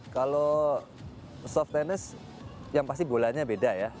kalau soft tennis yang pasti bolanya beda ya